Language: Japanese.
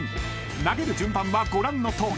［投げる順番はご覧のとおり。